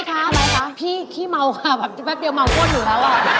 โอ้จะใส่เก้วเยอะได้มั้ยคะพี่คี่เมาค่ะแบบแป๊บเดียวเมาโคตรอยู่แล้วค่ะ